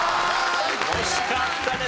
惜しかったね。